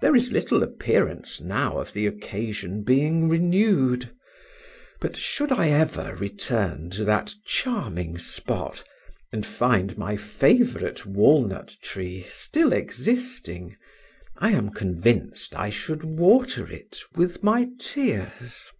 There is little appearance now of the occasion being renewed; but should I ever return to that charming spot, and find my favorite walnut tree still existing, I am convinced I should water it with my tears.